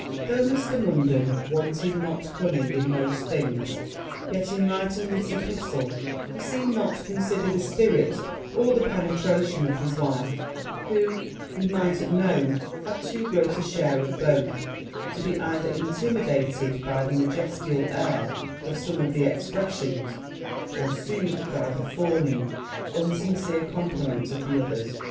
Though Mr. Munden wanted not cunning in most things, yet in writing this epistle he seemed not to consider the spirit or the penetration of his wife, who, he might have known, had too great a share of both to be either intimidated by the majesterial air of some of the expressions, or soothed by the fawning, unsincere compliments, of the others.